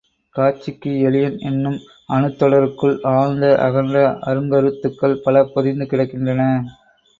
காட்சிக்கு எளியன் என்னும் அணுத் தொடருக்குள் ஆழ்ந்த அகன்ற அருங் கருத்துகள் பல பொதிந்து கிடக்கின்றன.